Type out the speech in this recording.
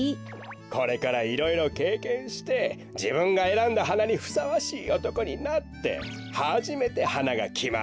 これからいろいろけいけんしてじぶんがえらんだはなにふさわしいおとこになってはじめてはながきまるんだよ。